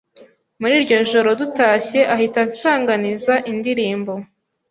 Muri iryo joro dutashye ahita ansanganiza indirimbo